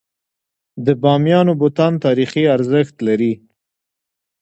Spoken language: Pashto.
د بامیانو بتان تاریخي ارزښت لري.